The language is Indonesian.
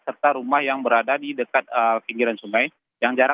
serta rumah yang berada di dekat pinggiran sungai